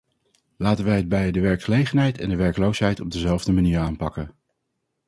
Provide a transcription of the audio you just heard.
Laten wij het bij de werkgelegenheid en de werkloosheid op dezelfde manier aanpakken.